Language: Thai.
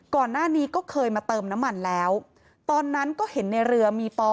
ก่อนหน้านี้ก็เคยมาเติมน้ำมันแล้วตอนนั้นก็เห็นในเรือมีปอ